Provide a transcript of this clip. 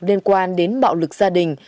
liên quan đến bạo lực gia đình